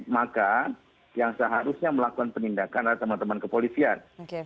maka yang seharusnya melakukan penindakan adalah teman teman kepolisian